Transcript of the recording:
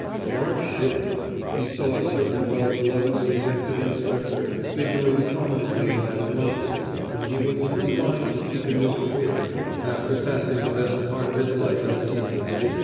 Clarke shivered. He saw a certain well belovèd detective inspector figuring prominently in that "rumpus," and he was in no mind to seek a new career after passing the best part of his life in the C. I.